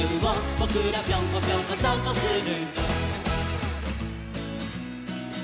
「ぼくらぴょんこぴょんこさんぽする」